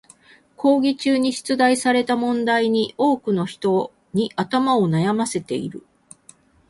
講義中に出題された問題に多くの人に頭を悩ませている。